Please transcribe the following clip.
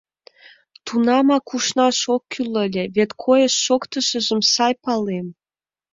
Тунамак ушнаш ок кӱл ыле, вет койыш-шоктышыжым сай палем.